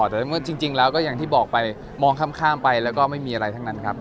แต่เมื่อจริงแล้วก็อย่างที่บอกไปมองข้ามไปแล้วก็ไม่มีอะไรทั้งนั้นครับ